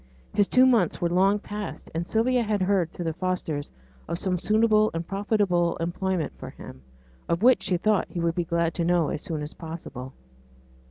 His two months were long past; and Sylvia had heard through the Fosters of some suitable and profitable employment for him, of which she thought he would be glad to know as soon as possible.